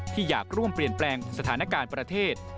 ที่อยากร่วมเปลี่ยนแปลงสถานการณ์ประเทศ